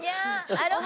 アロハ！